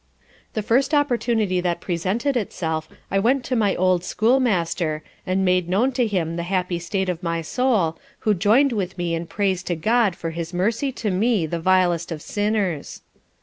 "_ The first opportunity that presented itself, I went to my old school master, and made known to him the happy state of my soul who joined with me in praise to God for his mercy to me the vilest of sinners.